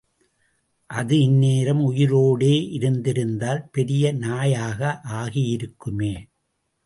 அது இந்நேரம் உயிரோடே இருந்திருந்தால், பெரிய நாயாக ஆகியிருக்குமே?